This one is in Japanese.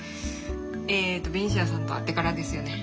えっとベニシアさんと会ってからですよね。